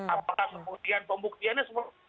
apakah kemudian pembuktiannya sempurna